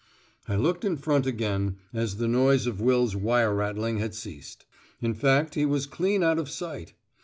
I looked in front again, as the noise of Will's wire rattling had ceased. In fact he was clean out of sight.